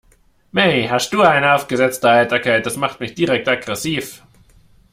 Mei, hast du eine aufgesetzte Heiterkeit, das macht mich direkt aggressiv.